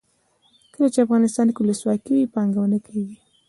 کله چې افغانستان کې ولسواکي وي پانګونه کیږي.